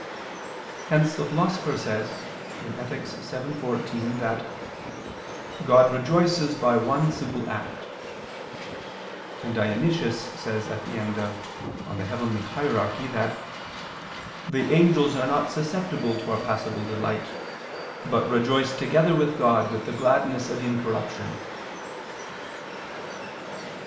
Hence the Philosopher says (Ethic. vii, 14) that "God rejoices by one simple act": and Dionysius says at the end of De Coel. Hier., that "the angels are not susceptible to our passible delight, but rejoice together with God with the gladness of incorruption."